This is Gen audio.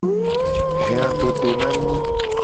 He adodo na mi.